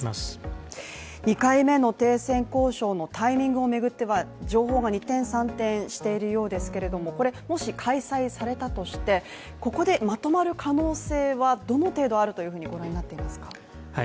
２回目の停戦交渉のタイミングを巡っては情報が二転三転しているようですけれどももし開催されたとして、ここでまとまる可能性はどの程度あるというふうにご覧になっていますか？